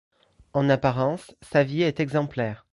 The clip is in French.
En apparence, sa vie est exemplaire.